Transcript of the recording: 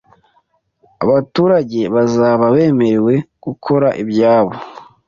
abaturage bazaba bemerewe gukora ibyabo